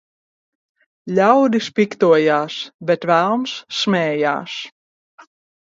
?audis piktoj?s, bet velns sm?j?s.